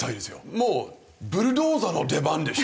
もうブルドーザーの出番でしょ。